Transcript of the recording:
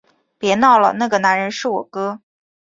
别闹了，那个男人是我哥